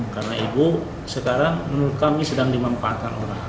karena ibu sekarang menurut kami sedang dimanfaatkan orang